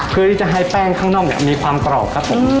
เพื่อที่จะให้แป้งข้างนอกเนี่ยมีความกรอบครับผม